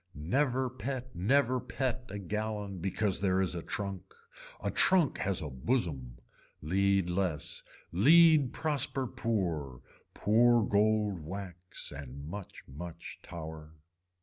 Never pet never pet a gallon because there is a trunk. A trunk has a bosom. Lead less. Lead prosper pour, poor gold wax and much much tower.